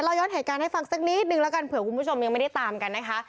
ย้อนเหตุการณ์ให้ฟังสักนิดนึงแล้วกันเผื่อคุณผู้ชมยังไม่ได้ตามกันนะคะ